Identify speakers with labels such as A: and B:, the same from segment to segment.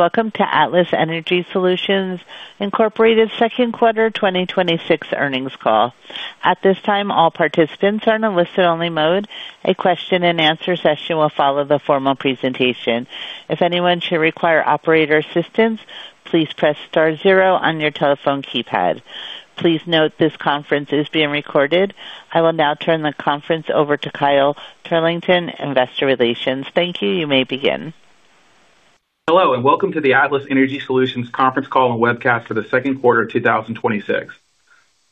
A: Welcome to Atlas Energy Solutions Incorporated second quarter 2026 earnings call. At this time, all participants are in a listen only mode. A question and answer session will follow the formal presentation. If anyone should require operator assistance, please press star zero on your telephone keypad. Please note this conference is being recorded. I will now turn the conference over to Kyle Turlington, Investor Relations. Thank you. You may begin.
B: Hello, welcome to the Atlas Energy Solutions conference call and webcast for the second quarter of 2026.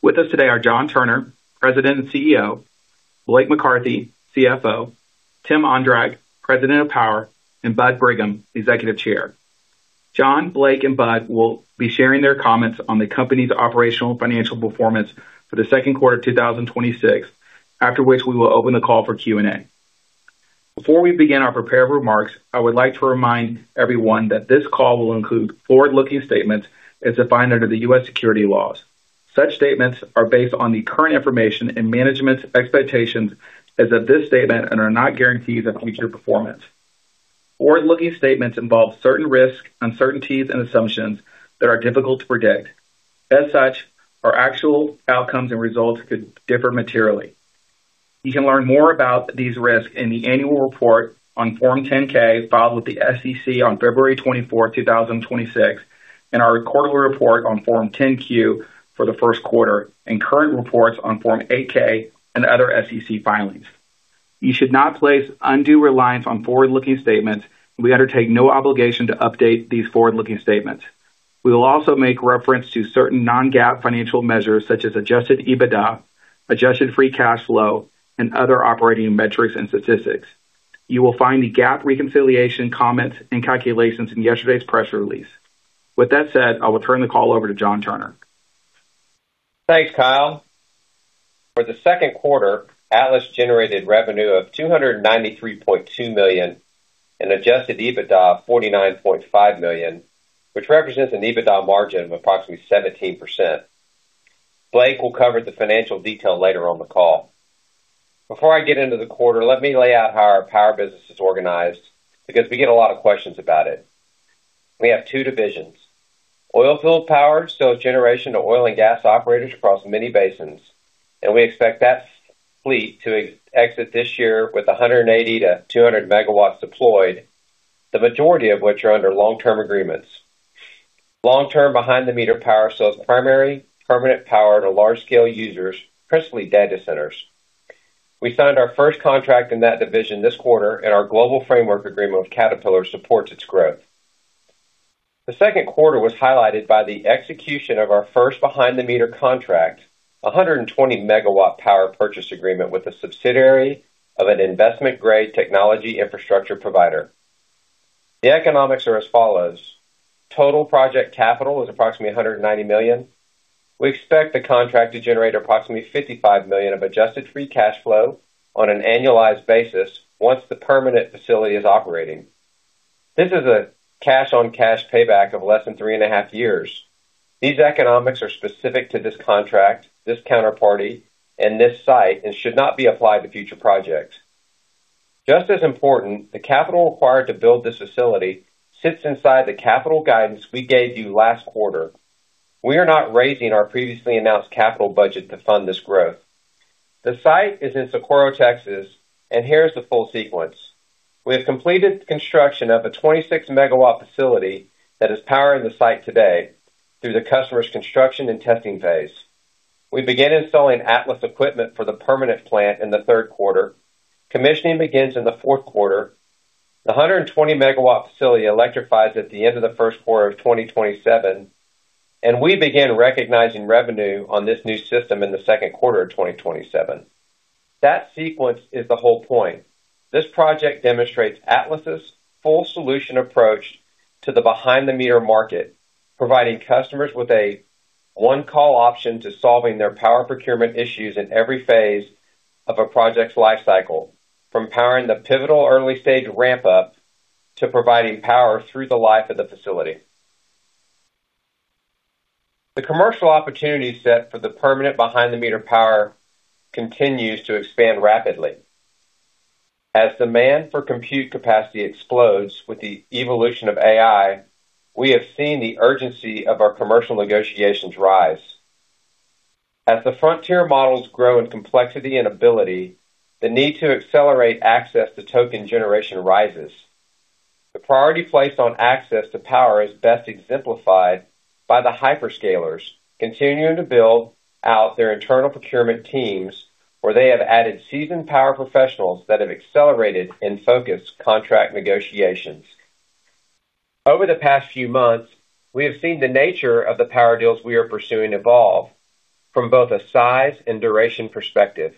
B: With us today are John Turner, President and CEO, Blake McCarthy, CFO, Tim Ondrak, President of Power, and Bud Brigham, Executive Chair. John, Blake, and Bud will be sharing their comments on the company's operational and financial performance for the second quarter of 2026, after which we will open the call for Q&A. Before we begin our prepared remarks, I would like to remind everyone that this call will include forward-looking statements as defined under the U.S. Security laws. Such statements are based on the current information and management's expectations as of this statement and are not guarantees of future performance. Forward-looking statements involve certain risks, uncertainties, and assumptions that are difficult to predict. Our actual outcomes and results could differ materially. You can learn more about these risks in the annual report on Form 10-K filed with the SEC on February 24, 2026 and our quarterly report on Form 10-Q for the first quarter and current reports on Form 8-K and other SEC filings. You should not place undue reliance on forward-looking statements. We undertake no obligation to update these forward-looking statements. We will also make reference to certain non-GAAP financial measures such as adjusted EBITDA, adjusted free cash flow, and other operating metrics and statistics. You will find the GAAP reconciliation comments and calculations in yesterday's press release. With that said, I will turn the call over to John Turner.
C: Thanks, Kyle. For the second quarter, Atlas generated revenue of $293.2 million and adjusted EBITDA of $49.5 million, which represents an EBITDA margin of approximately 17%. Blake will cover the financial detail later on the call. Before I get into the quarter, let me lay out how our power business is organized, because we get a lot of questions about it. We have two divisions. Oilfield power sells generation to oil and gas operators across many basins, and we expect that fleet to exit this year with 180 MW-200 MWdeployed, the majority of which are under long-term agreements. Long-term behind-the-meter power sells primary, permanent power to large-scale users, principally data centers. We signed our first contract in that division this quarter, and our Global Framework Agreement with Caterpillar supports its growth. The second quarter was highlighted by the execution of our first behind the meter contract, a 120-megawatt power purchase agreement with a subsidiary of an investment-grade technology infrastructure provider. The economics are as follows. Total project capital is approximately $190 million. We expect the contract to generate approximately $55 million of adjusted free cash flow on an annualized basis once the permanent facility is operating. This is a cash-on-cash payback of less than three and a half years. These economics are specific to this contract, this counterparty, and this site and should not be applied to future projects. Just as important, the capital required to build this facility sits inside the capital guidance we gave you last quarter. We are not raising our previously announced capital budget to fund this growth. The site is in Socorro, Texas, and here is the full sequence. We have completed construction of a 26-megawatt facility that is powering the site today through the customer's construction and testing phase. We begin installing Atlas equipment for the permanent plant in the third quarter. Commissioning begins in the fourth quarter. The 120-megawatt facility electrifies at the end of the first quarter of 2027, and we begin recognizing revenue on this new system in the second quarter of 2027. That sequence is the whole point. This project demonstrates Atlas' full solution approach to the behind the meter market, providing customers with a one-call option to solving their power procurement issues in every phase of a project's life cycle, from powering the pivotal early-stage ramp-up to providing power through the life of the facility. The commercial opportunity set for the permanent behind the meter power continues to expand rapidly. As demand for compute capacity explodes with the evolution of AI, we have seen the urgency of our commercial negotiations rise. As the frontier models grow in complexity and ability, the need to accelerate access to token generation rises. The priority placed on access to power is best exemplified by the hyperscalers continuing to build out their internal procurement teams, where they have added seasoned power professionals that have accelerated and focused contract negotiations. Over the past few months, we have seen the nature of the power deals we are pursuing evolve from both a size and duration perspective.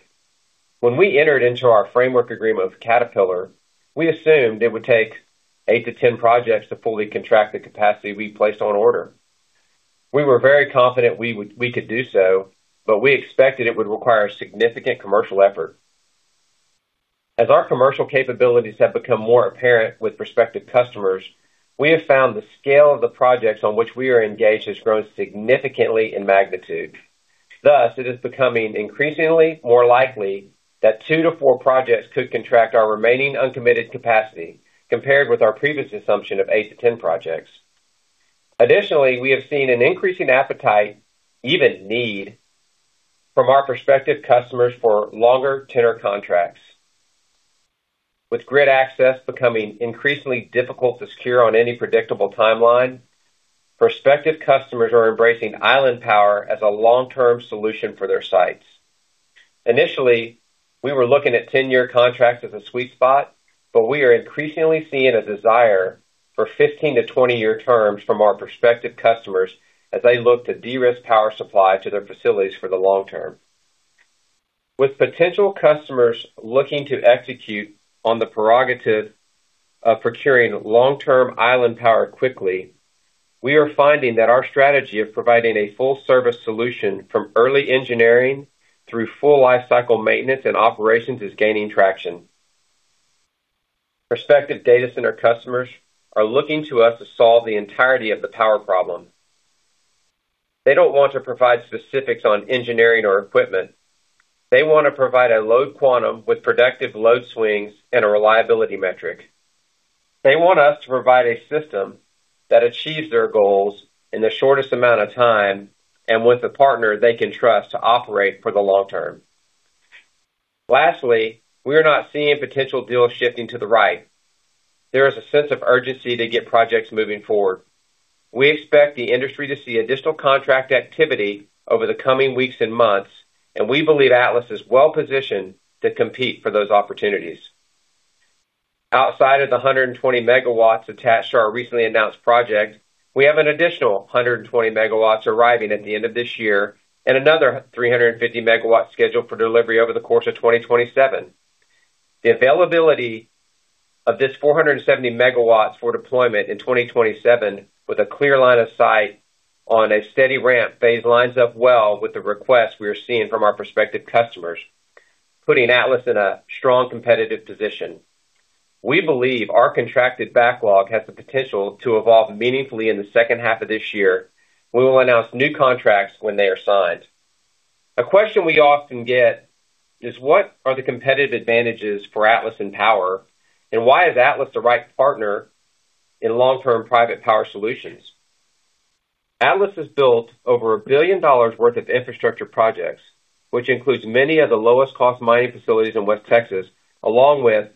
C: When we entered into our framework agreement with Caterpillar, we assumed it would take 8-10 projects to fully contract the capacity we placed on order. We were very confident we could do so. We expected it would require significant commercial effort. As our commercial capabilities have become more apparent with prospective customers, we have found the scale of the projects on which we are engaged has grown significantly in magnitude. Thus, it is becoming increasingly more likely that two to four projects could contract our remaining uncommitted capacity compared with our previous assumption of 8-10 projects. Additionally, we have seen an increasing appetite, even need, from our prospective customers for longer tenure contracts. With grid access becoming increasingly difficult to secure on any predictable timeline, prospective customers are embracing island power as a long-term solution for their sites. Initially, we were looking at 10-year contracts as a sweet spot. We are increasingly seeing a desire for 15 to 20-year terms from our prospective customers as they look to de-risk power supply to their facilities for the long term. With potential customers looking to execute on the prerogative of procuring long-term island power quickly, we are finding that our strategy of providing a full service solution from early engineering through full life cycle maintenance and operations is gaining traction. Prospective data center customers are looking to us to solve the entirety of the power problem. They don't want to provide specifics on engineering or equipment. They want to provide a load quantum with productive load swings and a reliability metric. They want us to provide a system that achieves their goals in the shortest amount of time and with a partner they can trust to operate for the long term. Lastly, we are not seeing potential deals shifting to the right. There is a sense of urgency to get projects moving forward. We expect the industry to see additional contract activity over the coming weeks and months. We believe Atlas is well positioned to compete for those opportunities. Outside of the 120 MW attached to our recently announced project, we have an additional 120 MW arriving at the end of this year and another 350 MW scheduled for delivery over the course of 2027. The availability of this 470 MW for deployment in 2027 with a clear line of sight on a steady ramp phase lines up well with the request we are seeing from our prospective customers, putting Atlas in a strong competitive position. We believe our contracted backlog has the potential to evolve meaningfully in the second half of this year. We will announce new contracts when they are signed. A question we often get is, "What are the competitive advantages for Atlas in power? Why is Atlas the right partner in long-term private power solutions?" Atlas has built over $1 billion worth of infrastructure projects, which includes many of the lowest cost mining facilities in West Texas, along with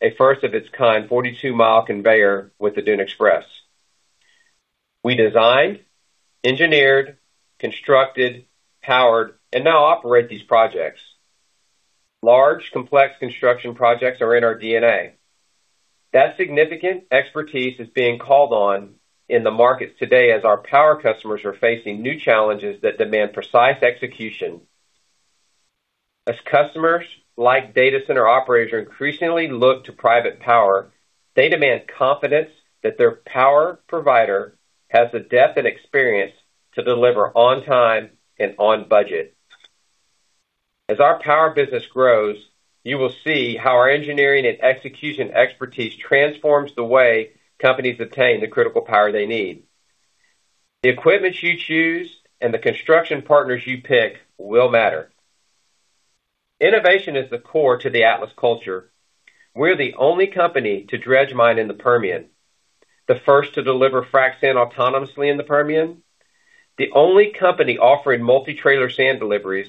C: a first of its kind 42-mile conveyor with the Dune Express. We designed, engineered, constructed, powered, and now operate these projects. Large, complex construction projects are in our DNA. That significant expertise is being called on in the markets today as our power customers are facing new challenges that demand precise execution. As customers like data center operators increasingly look to private power, they demand confidence that their power provider has the depth and experience to deliver on time and on budget. As our power business grows, you will see how our engineering and execution expertise transforms the way companies obtain the critical power they need. The equipment you choose and the construction partners you pick will matter. Innovation is the core to the Atlas culture. We're the only company to dredge mine in the Permian, the first to deliver frac sand autonomously in the Permian, the only company offering multi-trailer sand deliveries.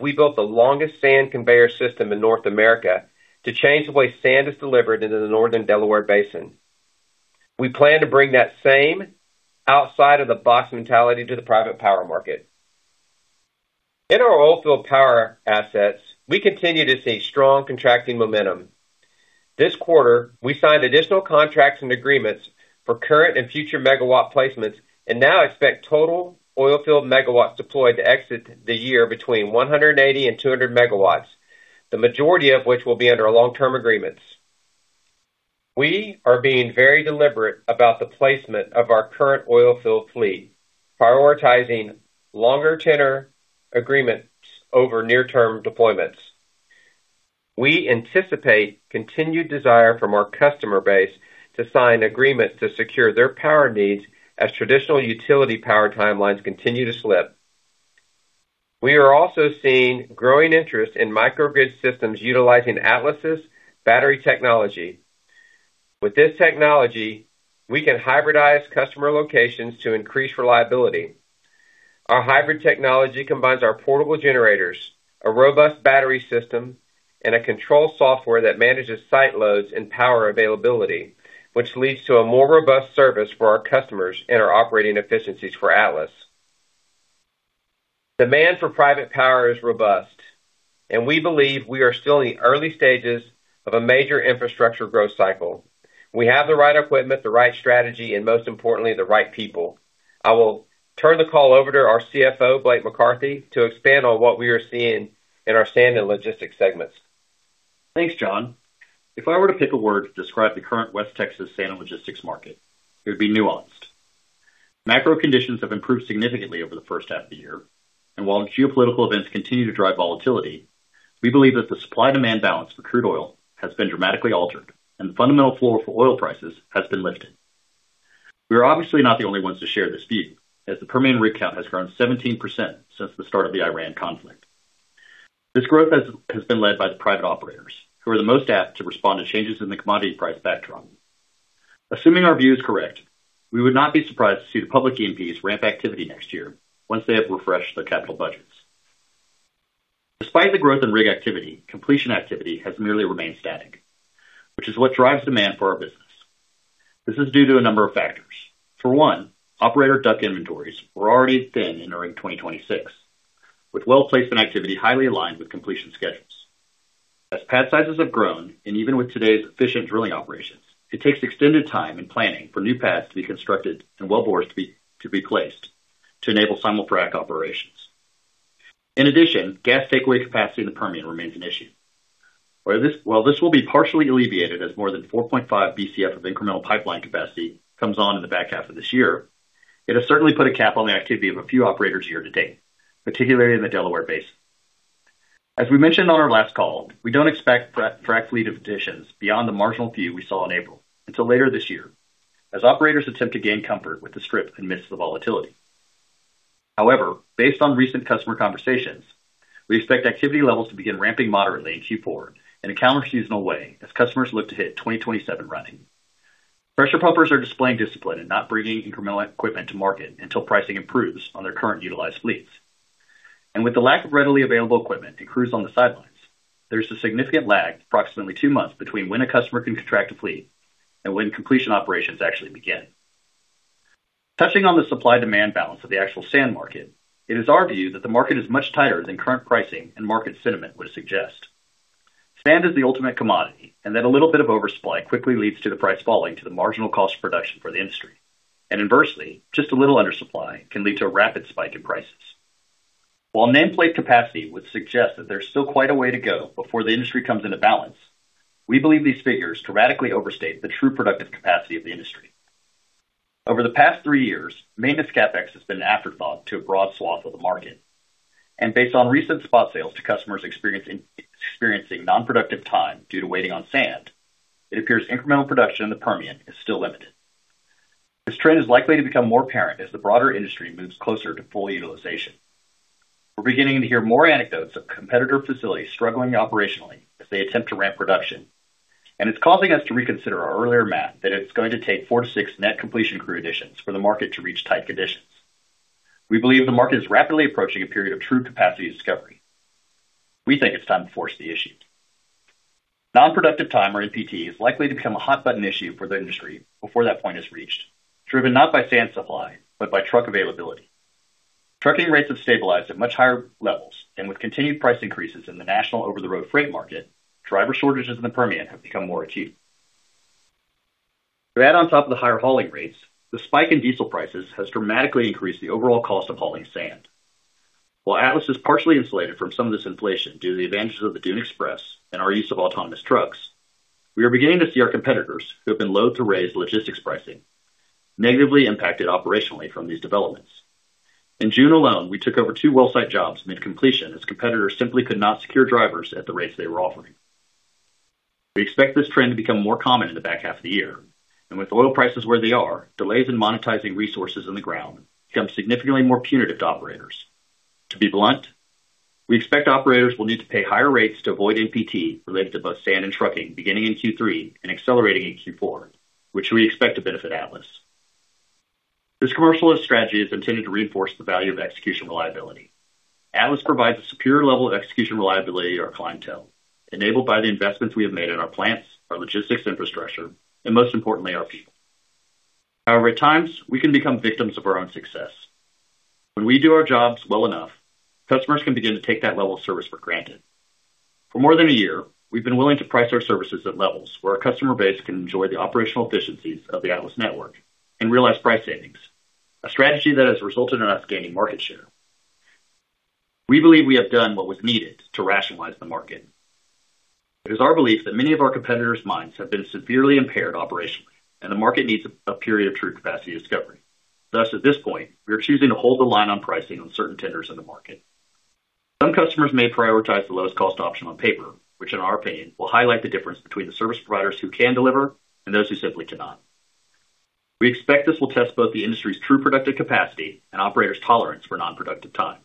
C: We built the longest sand conveyor system in North America to change the way sand is delivered into the Northern Delaware Basin. We plan to bring that same outside of the box mentality to the private power market. In our oilfield power assets, we continue to see strong contracting momentum. This quarter, we signed additional contracts and agreements for current and future megawatt placements and now expect total oilfield megawatts deployed to exit the year between 180 MW and 200 MW, the majority of which will be under long-term agreements. We are being very deliberate about the placement of our current oilfield fleet, prioritizing longer tenure agreements over near-term deployments. We anticipate continued desire from our customer base to sign agreements to secure their power needs as traditional utility power timelines continue to slip. We are also seeing growing interest in microgrid systems utilizing Atlas' battery technology. With this technology, we can hybridize customer locations to increase reliability. Our hybrid technology combines our portable generators, a robust battery system, and a control software that manages site loads and power availability, which leads to a more robust service for our customers and our operating efficiencies for Atlas. Demand for private power is robust. We believe we are still in the early stages of a major infrastructure growth cycle. We have the right equipment, the right strategy, and most importantly, the right people. I will turn the call over to our CFO, Blake McCarthy, to expand on what we are seeing in our sand and logistics segments.
D: Thanks, John. If I were to pick a word to describe the current West Texas sand and logistics market, it would be nuanced. Macro conditions have improved significantly over the first half of the year. While geopolitical events continue to drive volatility, we believe that the supply-demand balance for crude oil has been dramatically altered and the fundamental floor for oil prices has been lifted. We are obviously not the only ones to share this view, as the Permian rig count has grown 17% since the start of the Iran conflict. This growth has been led by the private operators who are the most apt to respond to changes in the commodity price backdrop. Assuming our view is correct, we would not be surprised to see the public E&Ps ramp activity next year once they have refreshed their capital budgets. Despite the growth in rig activity, completion activity has merely remained static, which is what drives demand for our business. This is due to a number of factors. For one, operator DUC inventories were already thin entering 2026, with well placement activity highly aligned with completion schedules. As pad sizes have grown, even with today's efficient drilling operations, it takes extended time and planning for new pads to be constructed and well bores to be placed to enable simultaneous frac operations. In addition, gas takeaway capacity in the Permian remains an issue. While this will be partially alleviated as more than 4.5 bcf of incremental pipeline capacity comes on in the back half of this year, it has certainly put a cap on the activity of a few operators year to date, particularly in the Delaware Basin. As we mentioned on our last call, we don't expect frac fleet additions beyond the marginal few we saw in April until later this year, as operators attempt to gain comfort with the strip amidst the volatility. However, based on recent customer conversations, we expect activity levels to begin ramping moderately in Q4 in a counterseasonal way as customers look to hit 2027 running. Pressure pumpers are displaying discipline and not bringing incremental equipment to market until pricing improves on their current utilized fleets. With the lack of readily available equipment and crews on the sidelines, there's a significant lag, approximately two months, between when a customer can contract a fleet and when completion operations actually begin. Touching on the supply-demand balance of the actual sand market, it is our view that the market is much tighter than current pricing and market sentiment would suggest. Sand is the ultimate commodity in that a little bit of oversupply quickly leads to the price falling to the marginal cost of production for the industry. Inversely, just a little undersupply can lead to a rapid spike in prices. While nameplate capacity would suggest that there's still quite a way to go before the industry comes into balance, we believe these figures dramatically overstate the true productive capacity of the industry. Over the past three years, maintenance CapEx has been an afterthought to a broad swath of the market. Based on recent spot sales to customers experiencing non-productive time due to waiting on sand, it appears incremental production in the Permian is still limited. This trend is likely to become more apparent as the broader industry moves closer to full utilization. We're beginning to hear more anecdotes of competitor facilities struggling operationally as they attempt to ramp production, and it's causing us to reconsider our earlier math that it's going to take four to six net completion crew additions for the market to reach tight conditions. We believe the market is rapidly approaching a period of true capacity discovery. We think it's time to force the issue. Non-productive time, or NPT, is likely to become a hot button issue for the industry before that point is reached, driven not by sand supply, but by truck availability. Trucking rates have stabilized at much higher levels, and with continued price increases in the national over-the-road freight market, driver shortages in the Permian have become more acute. To add on top of the higher hauling rates, the spike in diesel prices has dramatically increased the overall cost of hauling sand. While Atlas is partially insulated from some of this inflation due to the advantages of the Dune Express and our use of autonomous trucks, we are beginning to see our competitors who have been slow to raise logistics pricing negatively impacted operationally from these developments. In June alone, we took over two well site jobs mid-completion as competitors simply could not secure drivers at the rates they were offering. We expect this trend to become more common in the back half of the year. With oil prices where they are, delays in monetizing resources in the ground become significantly more punitive to operators. To be blunt, we expect operators will need to pay higher rates to avoid NPT related to both sand and trucking beginning in Q3 and accelerating in Q4, which we expect to benefit Atlas. This commercial strategy is intended to reinforce the value of execution reliability. Atlas provides a superior level of execution reliability to our clientele, enabled by the investments we have made in our plants, our logistics infrastructure, and most importantly, our people. At times we can become victims of our own success. When we do our jobs well enough, customers can begin to take that level of service for granted. For more than a year, we've been willing to price our services at levels where our customer base can enjoy the operational efficiencies of the Atlas network and realize price savings, a strategy that has resulted in us gaining market share. We believe we have done what was needed to rationalize the market. It is our belief that many of our competitors' minds have been severely impaired operationally, and the market needs a period of true capacity discovery. At this point, we are choosing to hold the line on pricing on certain tenders in the market. Some customers may prioritize the lowest cost option on paper, which in our opinion will highlight the difference between the service providers who can deliver and those who simply cannot. We expect this will test both the industry's true productive capacity and operators' tolerance for non-productive time.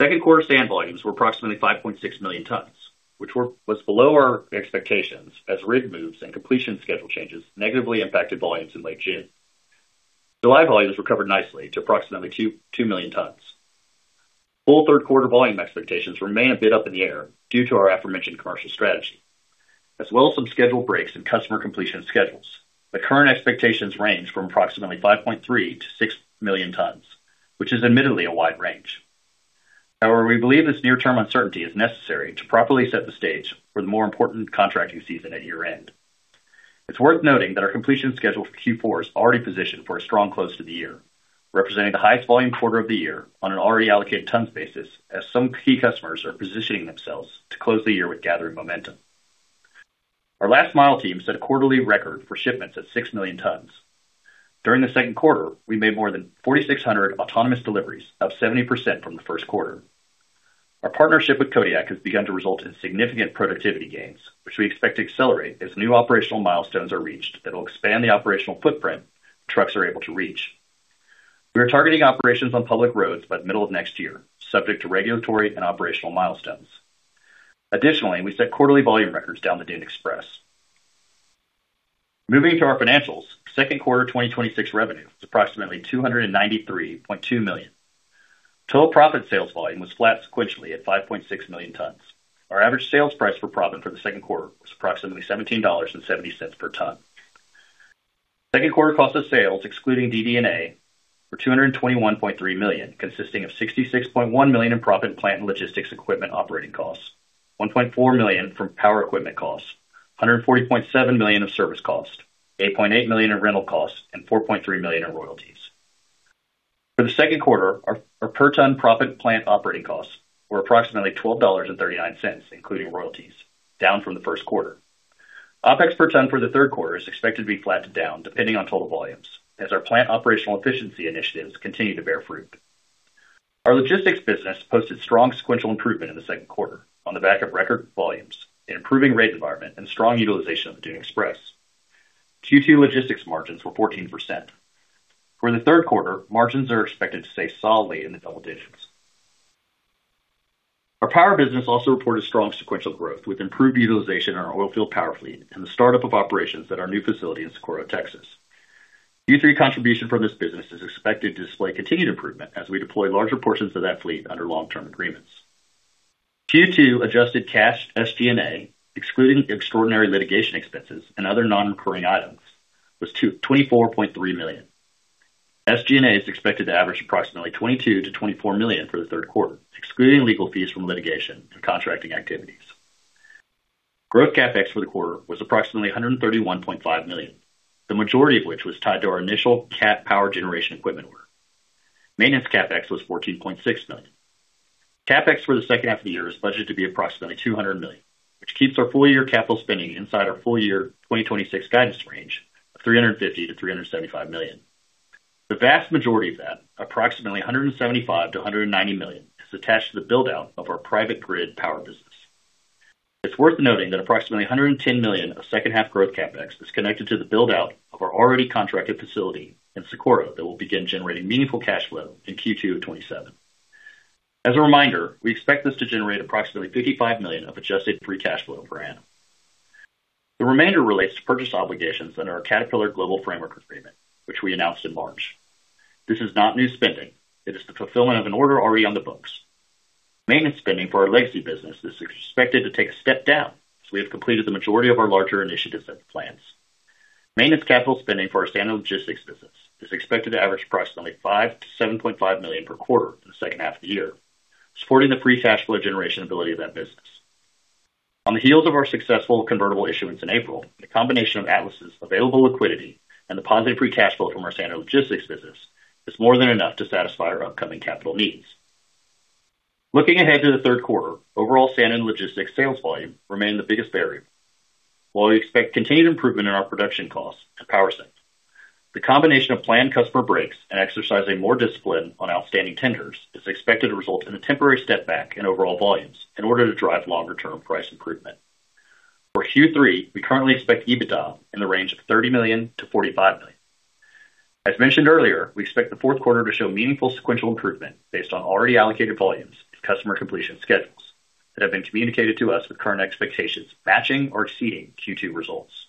D: Second quarter sand volumes were approximately 5.6 million tons, which was below our expectations as rig moves and completion schedule changes negatively impacted volumes in late June. July volumes recovered nicely to approximately 2 million tons. Full third quarter volume expectations remain a bit up in the air due to our aforementioned commercial strategy, as well as some scheduled breaks in customer completion schedules. The current expectations range from approximately 5.3 million tons-6 million tons, which is admittedly a wide range. We believe this near-term uncertainty is necessary to properly set the stage for the more important contracting season at year-end. It's worth noting that our completion schedule for Q4 is already positioned for a strong close to the year, representing the highest volume quarter of the year on an already allocated tons basis, as some key customers are positioning themselves to close the year with gathering momentum. Our last mile team set a quarterly record for shipments at 6 million tons. During the second quarter, we made more than 4,600 autonomous deliveries, up 70% from the first quarter. Our partnership with Kodiak has begun to result in significant productivity gains, which we expect to accelerate as new operational milestones are reached that will expand the operational footprint trucks are able to reach. We are targeting operations on public roads by the middle of next year, subject to regulatory and operational milestones. We set quarterly volume records down the Dune Express. Moving to our financials. Second quarter 2026 revenue was approximately $293.2 million. Total proppant sales volume was flat sequentially at 5.6 million tons. Our average sales price for proppant for the second quarter was approximately $17.70/ton. Second quarter cost of sales, excluding DD&A, were $221.3 million, consisting of $66.1 million in proppant plant and logistics equipment operating costs, $1.4 million from power equipment costs, $140.7 million of service costs, $8.8 million in rental costs, and $4.3 million in royalties. For the second quarter, our per ton proppant plant operating costs were approximately $12.39, including royalties, down from the first quarter. OpEx per ton for the third quarter is expected to be flat to down, depending on total volumes, as our plant operational efficiency initiatives continue to bear fruit. Our logistics business posted strong sequential improvement in the second quarter on the back of record volumes, an improving rate environment, and strong utilization of the Dune Express. Q2 logistics margins were 14%. For the third quarter, margins are expected to stay solidly in the double digits. Our power business also reported strong sequential growth, with improved utilization in our oilfield power fleet and the startup of operations at our new facility in Socorro, Texas. Q3 contribution from this business is expected to display continued improvement as we deploy larger portions of that fleet under long-term agreements. Q2 adjusted cash SG&A, excluding extraordinary litigation expenses and other non-recurring items, was $24.3 million. SG&A is expected to average approximately $22 million-$24 million for the third quarter, excluding legal fees from litigation and contracting activities. Growth CapEx for the quarter was approximately $131.5 million, the majority of which was tied to our initial Cat power generation equipment order. Maintenance CapEx was $14.6 million. CapEx for the second half of the year is budgeted to be approximately $200 million, which keeps our full-year capital spending inside our full-year 2026 guidance range of $350 million-$375 million. The vast majority of that, approximately $175 million-$190 million, is attached to the build-out of our private grid power business. It's worth noting that approximately $110 million of second-half growth CapEx is connected to the build-out of our already contracted facility in Socorro that will begin generating meaningful cash flow in Q2 of 2027. As a reminder, we expect this to generate approximately $55 million of adjusted free cash flow per annum. The remainder relates to purchase obligations under our Caterpillar Global Framework Agreement, which we announced in March. This is not new spending. It is the fulfillment of an order already on the books. Maintenance spending for our legacy business is expected to take a step down, as we have completed the majority of our larger initiatives at the plants. Maintenance capital spending for our standard logistics business is expected to average approximately $5 million-$7.5 million per quarter in the second half of the year, supporting the free cash flow generation ability of that business. On the heels of our successful convertible issuance in April, the combination of Atlas' available liquidity and the positive free cash flow from our standard logistics business is more than enough to satisfy our upcoming capital needs. Looking ahead to the third quarter, overall sand and logistics sales volume remain the biggest variable. While we expect continued improvement in our production costs at power plants, the combination of planned customer breaks and exercising more discipline on outstanding tenders is expected to result in a temporary step back in overall volumes in order to drive longer-term price improvement. For Q3, we currently expect EBITDA in the range of $30 million-$45 million. As mentioned earlier, we expect the fourth quarter to show meaningful sequential improvement based on already allocated volumes and customer completion schedules that have been communicated to us, with current expectations matching or exceeding Q2 results.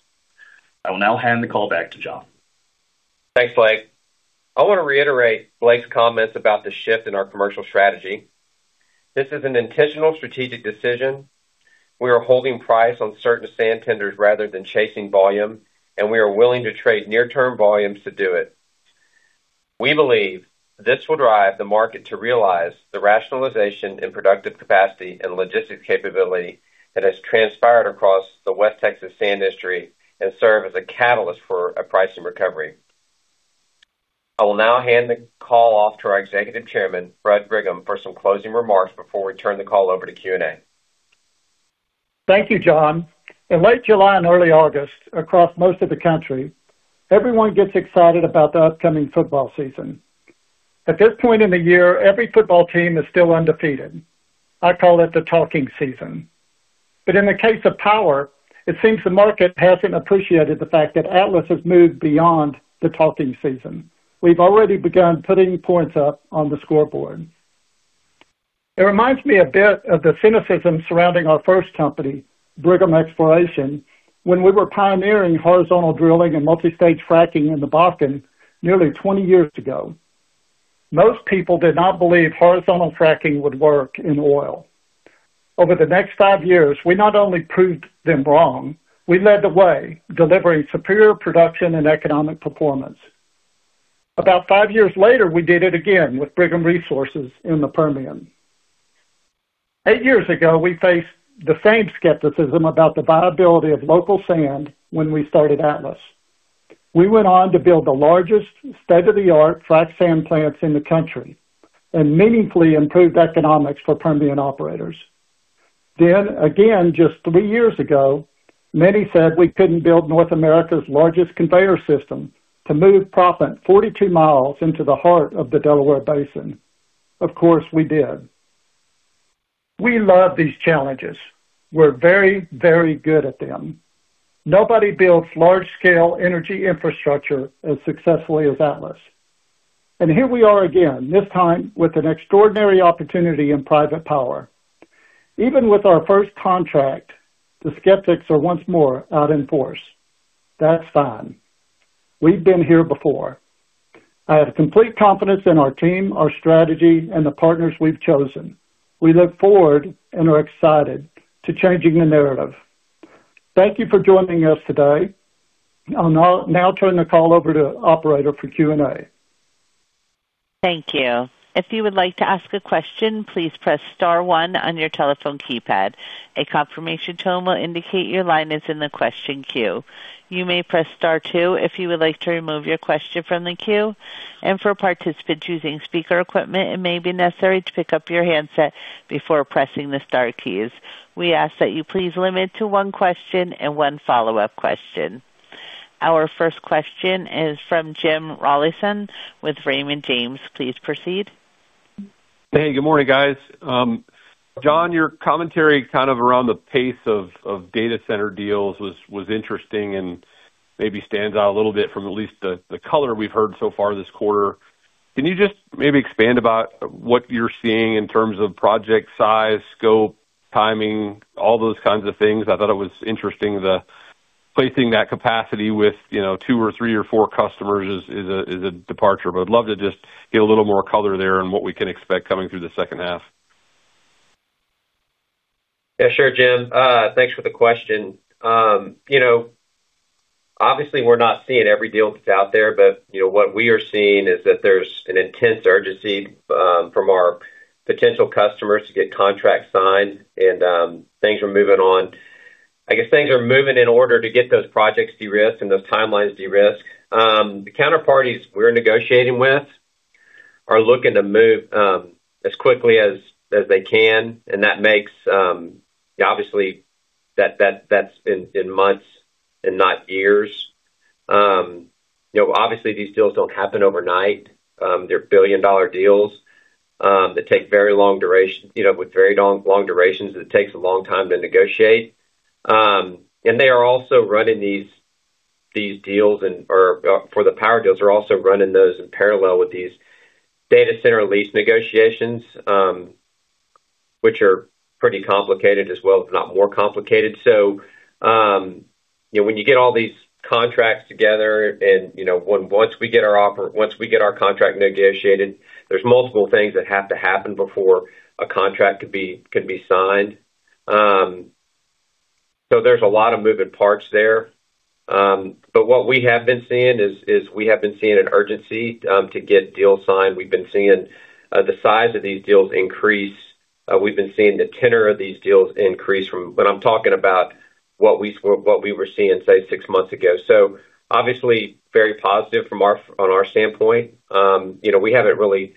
D: I will now hand the call back to John.
C: Thanks, Blake. I want to reiterate Blake's comments about the shift in our commercial strategy. This is an intentional strategic decision. We are holding price on certain sand tenders rather than chasing volume, and we are willing to trade near-term volumes to do it. We believe this will drive the market to realize the rationalization in productive capacity and logistics capability that has transpired across the West Texas sand industry and serve as a catalyst for a pricing recovery. I will now hand the call off to our Executive Chairman, Bud Brigham, for some closing remarks before we turn the call over to Q&A.
E: Thank you, John. In late July and early August, across most of the country, everyone gets excited about the upcoming football season. At this point in the year, every football team is still undefeated. I call it the talking season. In the case of power, it seems the market hasn't appreciated the fact that Atlas has moved beyond the talking season. We've already begun putting points up on the scoreboard. It reminds me a bit of the cynicism surrounding our first company, Brigham Exploration, when we were pioneering horizontal drilling and multi-stage fracking in the Bakken nearly 20 years ago. Most people did not believe horizontal fracking would work in oil. Over the next five years, we not only proved them wrong, we led the way, delivering superior production and economic performance. About five years later, we did it again with Brigham Resources in the Permian. Eight years ago, we faced the same skepticism about the viability of local sand when we started Atlas. We went on to build the largest state-of-the-art frac sand plants in the country and meaningfully improved economics for Permian operators. Just three years ago, many said we couldn't build North America's largest conveyor system to move proppant 42 mi into the heart of the Delaware Basin. Of course, we did. We love these challenges. We're very, very good at them. Nobody builds large-scale energy infrastructure as successfully as Atlas. Here we are again, this time with an extraordinary opportunity in private power. Even with our first contract, the skeptics are once more out in force. That's fine. We've been here before. I have complete confidence in our team, our strategy, and the partners we've chosen. We look forward and are excited to changing the narrative. Thank you for joining us today. I'll now turn the call over to operator for Q&A.
A: Thank you. If you would like to ask a question, please press star one on your telephone keypad. A confirmation tone will indicate your line is in the question queue. You may press star two if you would like to remove your question from the queue. And for participants using speaker equipment, it may be necessary to pick up your handset before pressing the star keys. We ask that you please limit to one question and one follow-up question. Our first question is from Jim Rollyson with Raymond James. Please proceed.
F: Hey, good morning, guys. John, your commentary kind of around the pace of data center deals was interesting and maybe stands out a little bit from at least the color we've heard so far this quarter. Can you just maybe expand about what you're seeing in terms of project size, scope, timing, all those kinds of things? I thought it was interesting the placing that capacity with two or three or four customers is a departure. But I'd love to just get a little more color there on what we can expect coming through the second half.
C: Yeah, sure, Jim. Thanks for the question. Obviously we're not seeing every deal that's out there, but what we are seeing is that there's an intense urgency from our potential customers to get contracts signed, and things are moving on. I guess things are moving in order to get those projects de-risked and those timelines de-risked. The counterparties we're negotiating with are looking to move as quickly as they can, and obviously that's in months and not years. Obviously these deals don't happen overnight. They're billion-dollar deals with very long durations that takes a long time to negotiate. And they are also running these deals, or for the power deals, they're also running those in parallel with these data center lease negotiations, which are pretty complicated as well, if not more complicated. When you get all these contracts together and once we get our contract negotiated, there's multiple things that have to happen before a contract can be signed. So there's a lot of moving parts there. But what we have been seeing is we have been seeing an urgency to get deals signed. We've been seeing the size of these deals increase. We've been seeing the tenor of these deals increase from what I'm talking about what we were seeing, say, six months ago. So obviously very positive on our standpoint. We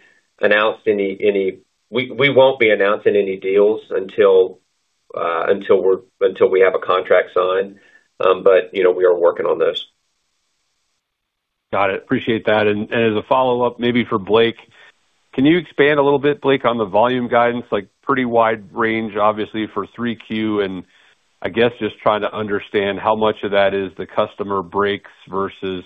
C: won't be announcing any deals until we have a contract signed, but we are working on those.
F: Got it. Appreciate that. As a follow-up, maybe for Blake, can you expand a little bit, Blake, on the volume guidance, like pretty wide range obviously for three Q, and I guess just trying to understand how much of that is the customer breaks versus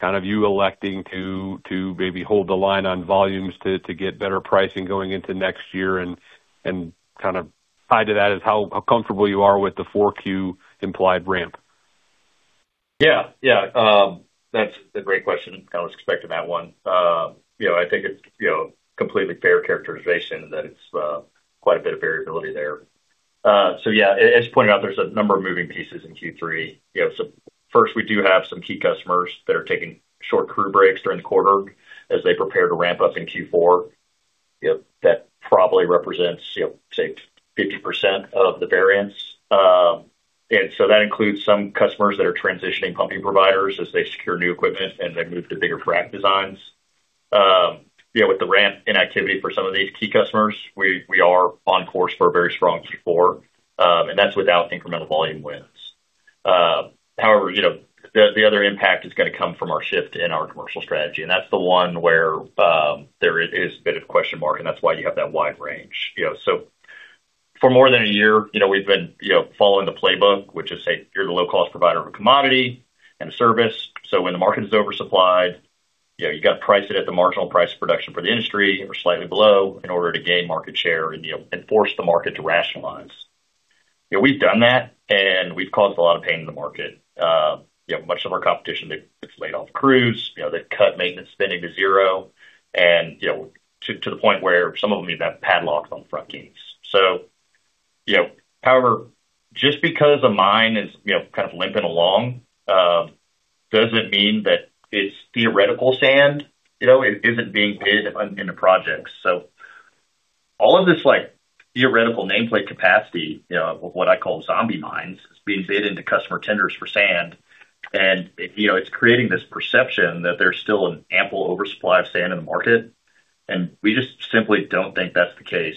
F: kind of you electing to maybe hold the line on volumes to get better pricing going into next year, and kind of tied to that is how comfortable you are with the four Q implied ramp.
D: Yeah. That's a great question. I was expecting that one. I think it's completely fair characterization that it's quite a bit of variability there. Yeah, as pointed out, there's a number of moving pieces in Q3. First, we do have some key customers that are taking short crew breaks during the quarter as they prepare to ramp up in Q4. That probably represents, say, 50% of the variance. That includes some customers that are transitioning pumping providers as they secure new equipment and they move to bigger frac designs. With the ramp in activity for some of these key customers, we are on course for a very strong Q4, and that's without incremental volume wins. However, the other impact is gonna come from our shift in our commercial strategy, and that's the one where there is a bit of question mark, and that's why you have that wide range. For more than a year, we've been following the playbook, which is, say, you're the low-cost provider of a commodity and a service. When the market is oversupplied, you got to price it at the marginal price of production for the industry or slightly below in order to gain market share and force the market to rationalize. We've done that, and we've caused a lot of pain in the market. Much of our competition, they've laid off crews, they've cut maintenance spending to zero, and to the point where some of them even have padlocks on front gates. However, just because a mine is kind of limping along, doesn't mean that it's theoretical sand. It isn't being bid in the projects. All of this theoretical nameplate capacity, what I call zombie mines, is being bid into customer tenders for sand. It's creating this perception that there's still an ample oversupply of sand in the market. We just simply don't think that's the case.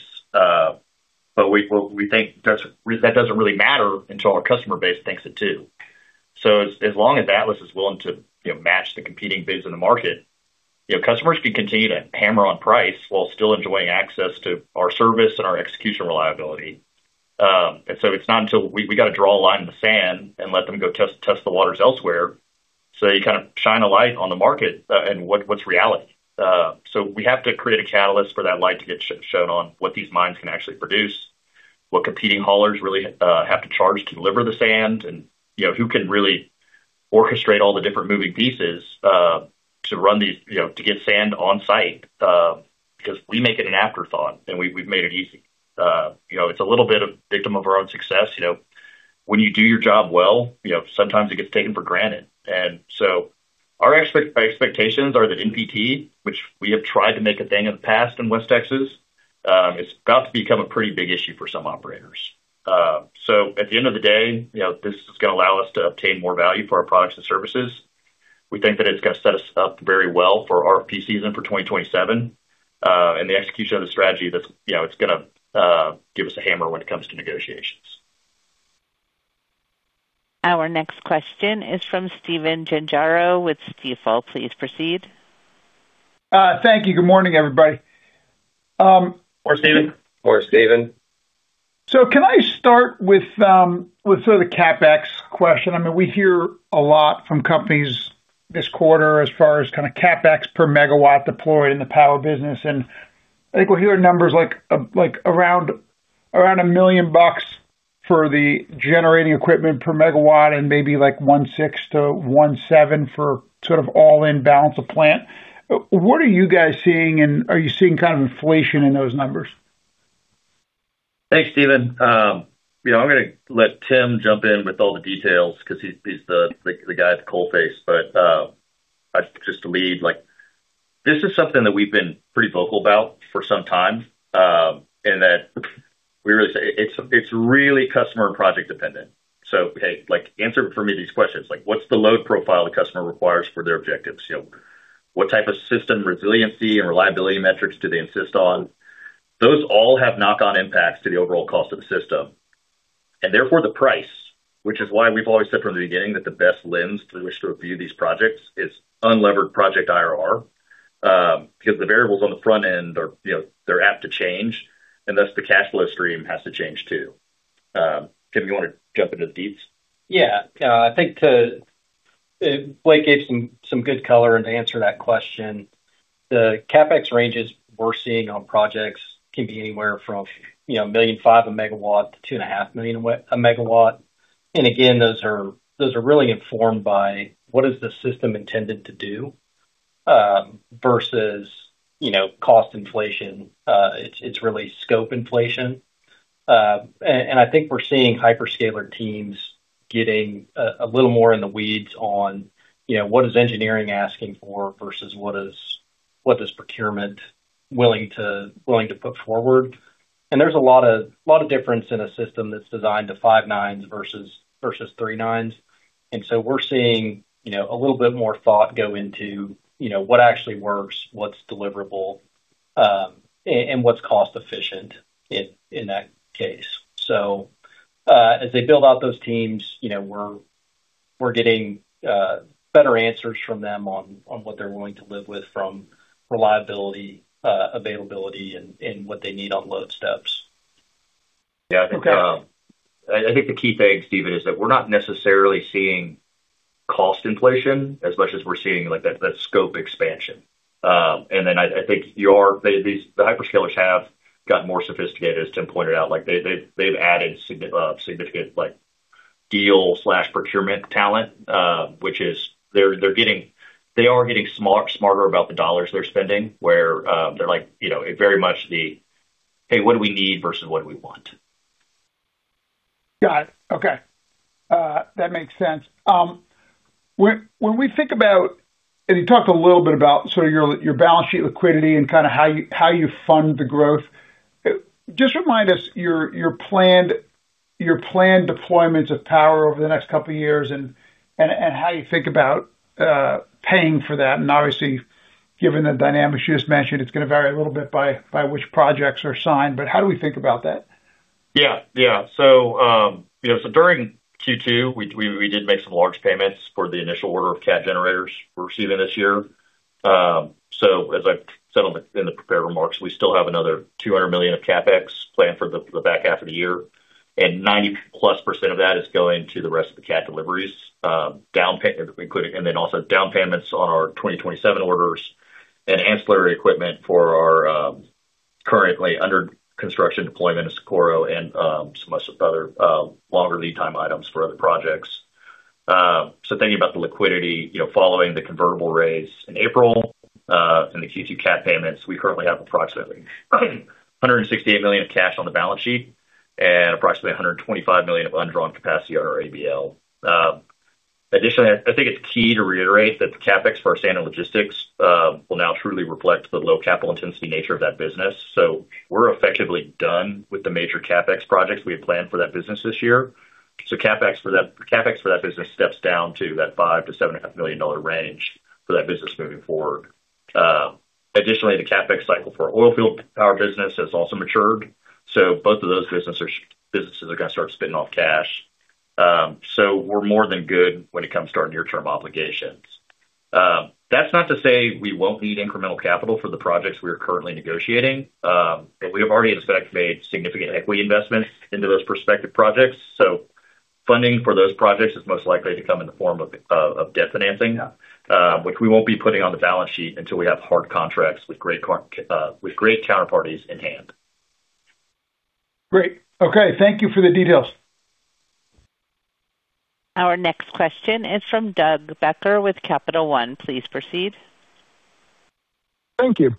D: We think that doesn't really matter until our customer base thinks it too. As long as Atlas is willing to match the competing bids in the market, customers can continue to hammer on price while still enjoying access to our service and our execution reliability. It's not until we got to draw a line in the sand and let them go test the waters elsewhere, you kind of shine a light on the market and what's reality. We have to create a catalyst for that light to get shown on what these mines can actually produce, what competing haulers really have to charge to deliver the sand, and who can really orchestrate all the different moving pieces to get sand on site. We make it an afterthought, and we've made it easy. It's a little bit of victim of our own success. When you do your job well, sometimes it gets taken for granted. Our expectations are that NPT, which we have tried to make a thing of the past in West Texas, it's about to become a pretty big issue for some operators. At the end of the day, this is going to allow us to obtain more value for our products and services. We think that it's going to set us up very well for RFP season for 2027. The execution of the strategy, it's going to give us a hammer when it comes to negotiations.
A: Our next question is from Stephen Gengaro with Stifel. Please proceed.
G: Thank you. Good morning, everybody.
D: Morning, Stephen.
C: Morning, Stephen.
G: Can I start with sort of the CapEx question? We hear a lot from companies this quarter as far as kind of CapEx per megawatt deployed in the power business. I think we hear numbers like around $1 million for the generating equipment per megawatt and maybe like $1.6 million-$1.7 million for sort of all-in balance of plant. What are you guys seeing, and are you seeing kind of inflation in those numbers?
C: Thanks, Stephen. I'm going to let Tim jump in with all the details because he's the guy at the coal face. Just to lead, this is something that we've been pretty vocal about for some time, in that it's really customer and project dependent. Hey, answer for me these questions. What's the load profile the customer requires for their objectives? What type of system resiliency and reliability metrics do they insist on? Those all have knock-on impacts to the overall cost of the system, and therefore the price, which is why we've always said from the beginning that the best lens through which to review these projects is unlevered project IRR. Because the variables on the front end are apt to change, and thus the cash flow stream has to change, too. Tim, you want to jump into the deets?
H: Yeah. I think Blake gave some good color and to answer that question, the CapEx ranges we're seeing on projects can be anywhere from $1.5 million/MW-$2.5 million/MW. Again, those are really informed by what is the system intended to do versus cost inflation. It's really scope inflation. I think we're seeing hyperscaler teams getting a little more in the weeds on what is engineering asking for versus what is procurement willing to put forward. There's a lot of difference in a system that's designed to five nines versus three nines. We're seeing a little bit more thought go into what actually works, what's deliverable, and what's cost efficient in that case. As they build out those teams, we're getting better answers from them on what they're willing to live with from reliability, availability, and what they need on load steps.
D: Yeah.
G: Okay.
D: I think the key thing, Stephen, is that we're not necessarily seeing cost inflation as much as we're seeing that scope expansion. I think the hyperscalers have gotten more sophisticated, as Tim pointed out. They've added significant deal/procurement talent which is they are getting smarter about the dollars they're spending, where they're like very much the, "Hey, what do we need versus what do we want?
G: Got it. Okay. That makes sense. You talked a little bit about sort of your balance sheet liquidity and kind of how you fund the growth. Just remind us your planned deployments of power over the next couple of years and how you think about paying for that. Obviously, given the dynamics you just mentioned, it's going to vary a little bit by which projects are signed, but how do we think about that?
D: Yeah. During Q2, we did make some large payments for the initial order of CAT generators we're receiving this year. As I said in the prepared remarks, we still have another $200 million of CapEx planned for the back half of the year, 90%+ of that is going to the rest of the CAT deliveries, also down payments on our 2027 orders and ancillary equipment for our currently under construction deployment in Socorro and some other longer lead time items for other projects. Thinking about the liquidity, following the convertible raise in April and the Q2 CAT payments, we currently have approximately $168 million of cash on the balance sheet and approximately $125 million of undrawn capacity on our ABL. Additionally, I think it's key to reiterate that the CapEx for standard logistics will now truly reflect the low capital intensity nature of that business. We're effectively done with the major CapEx projects we had planned for that business this year. CapEx for that business steps down to that $5 million-$7.5 million range for that business moving forward. Additionally, the CapEx cycle for our oil field power business has also matured. Both of those businesses are going to start spitting off cash. We're more than good when it comes to our near-term obligations. That's not to say we won't need incremental capital for the projects we are currently negotiating. We have already, in fact, made significant equity investments into those prospective projects. Funding for those projects is most likely to come in the form of debt financing, which we won't be putting on the balance sheet until we have hard contracts with great counterparties in hand.
G: Great. Okay. Thank you for the details.
A: Our next question is from Doug Becker with Capital One. Please proceed.
I: Thank you.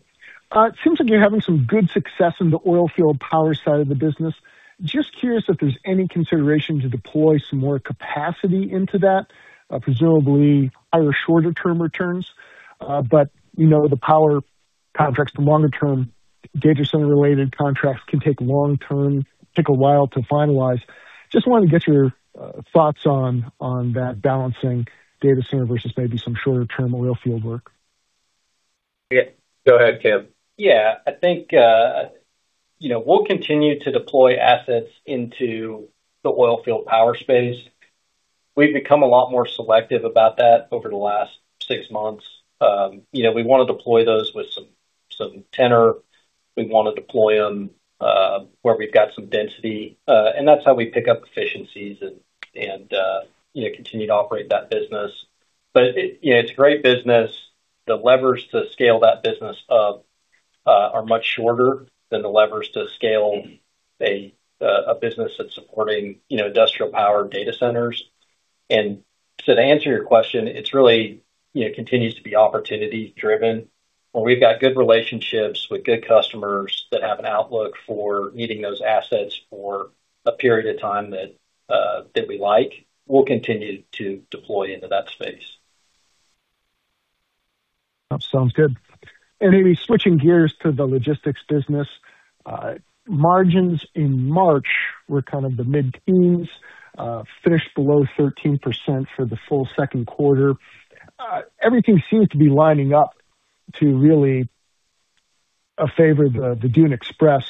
I: It seems like you're having some good success in the oil field power side of the business. Just curious if there's any consideration to deploy some more capacity into that. Presumably, higher shorter-term returns. The power contracts, the longer-term data center related contracts can take long-term, take a while to finalize. Just wanted to get your thoughts on that balancing data center versus maybe some shorter-term oil field work.
C: Yeah, go ahead, Tim.
H: Yeah. I think we'll continue to deploy assets into the oil field power space. We've become a lot more selective about that over the last six months. We want to deploy those with some tenor. We want to deploy them where we've got some density. That's how we pick up efficiencies and continue to operate that business. It's a great business. The levers to scale that business up are much shorter than the levers to scale a business that's supporting industrial power data centers. To answer your question, it really continues to be opportunity driven. When we've got good relationships with good customers that have an outlook for needing those assets for a period of time that we like, we'll continue to deploy into that space.
I: That sounds good. Maybe switching gears to the logistics business. Margins in March were kind of the mid-teens, finished below 13% for the full second quarter. Everything seems to be lining up to really favor the Dune Express.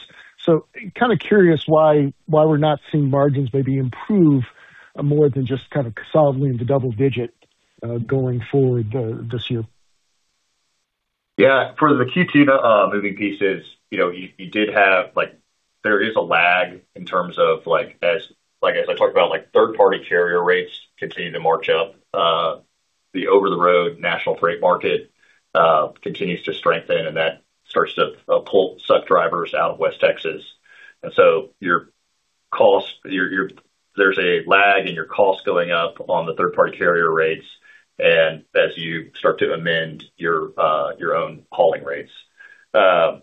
I: Kind of curious why we're not seeing margins maybe improve more than just kind of solidly into double digit, going forward this year.
D: Yeah. For the Q2 moving pieces, there is a lag in terms of as I talked about, third party carrier rates continue to march up. The over-the-road national freight market continues to strengthen and that starts to pull truck drivers out of West Texas. There's a lag in your cost going up on the third party carrier rates and as you start to amend your own hauling rates. That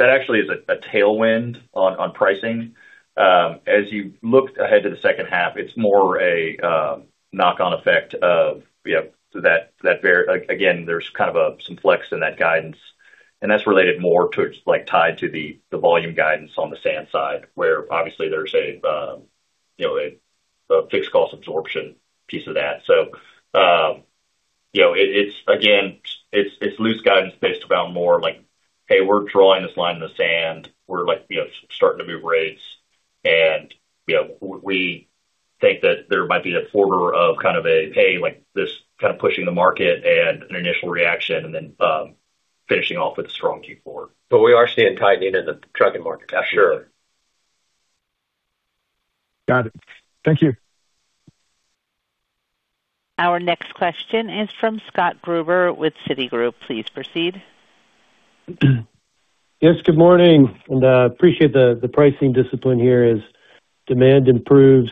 D: actually is a tailwind on pricing. As you look ahead to the second half, it's more a knock-on effect of that, again, there's kind of some flex in that guidance, and that's related more to, it's tied to the volume guidance on the sand side, where obviously there's a fixed cost absorption piece of that. Again, it's loose guidance based around more like, "Hey, we're drawing this line in the sand. We're starting to move rates." We think that there might be that order of kind of a, "Hey, like this kind of pushing the market and an initial reaction and then finishing off with a strong Q4."
H: We are seeing tightening in the trucking market.
D: Yeah, sure.
I: Got it. Thank you.
A: Our next question is from Scott Gruber with Citigroup. Please proceed.
J: Yes, good morning. I appreciate the pricing discipline here as demand improves.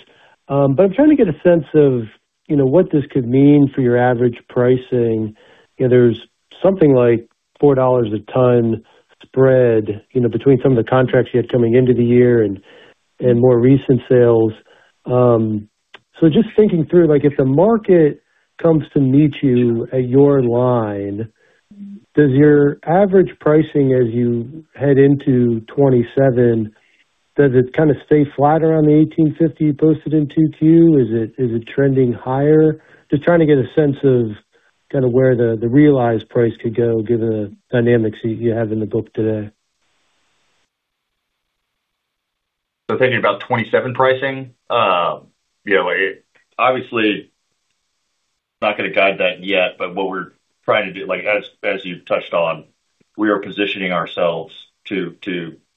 J: I'm trying to get a sense of what this could mean for your average pricing. There's something like $4/ton spread between some of the contracts you had coming into the year and more recent sales. Just thinking through, if the market comes to meet you at your line, does your average pricing as you head into 2027, does it kind of stay flat around the $18.50 you posted in Q2? Is it trending higher? Just trying to get a sense of kind of where the realized price could go given the dynamics you have in the book today.
D: Thinking about 2027 pricing? Obviously, not going to guide that yet, what we're trying to do, as you touched on, we are positioning ourselves to